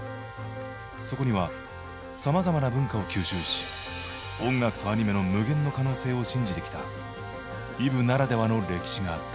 そこにはさまざまな文化を吸収し音楽とアニメの無限の可能性を信じてきたＥｖｅならではの歴史があった。